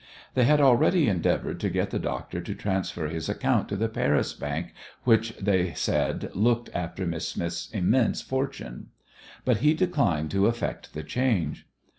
They had already endeavoured to get the doctor to transfer his account to the Paris bank which they said looked after Miss Smith's immense fortune; but he declined to effect the change.